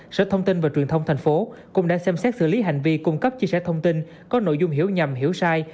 sở thông tin và truyền thông tp hcm cũng đã xem xét xử lý hành vi cung cấp chia sẻ thông tin có nội dung hiểu nhầm hiểu sai